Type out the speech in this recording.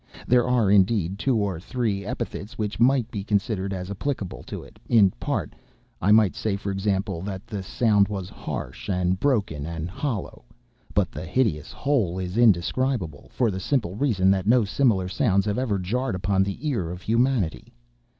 There are, indeed, two or three epithets which might be considered as applicable to it in part; I might say, for example, that the sound was harsh, and broken and hollow; but the hideous whole is indescribable, for the simple reason that no similar sounds have ever jarred upon the ear of humanity.